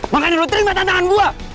makanya lu terima tantangan gue